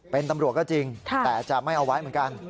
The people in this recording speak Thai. เป็นตำรวจก็จริงแต่จะไม่เอาไว้เหมือนกัน